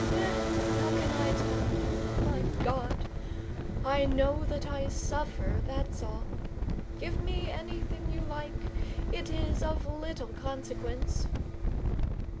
"Eh, how can I tell? My God! I know that I suffer, that's all. Give me anything you like, it is of little consequence."